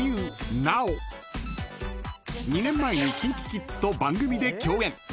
［２年前にＫｉｎＫｉＫｉｄｓと番組で共演］